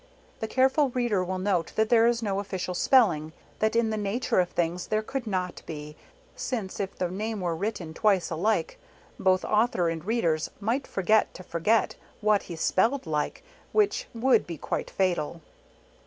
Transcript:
The careful reader will note that there is no official spelling, that in the nature of things there could not be since if the name were written twice alike, both author and readers might forget to forget what he's spelled like which would be quite fatal.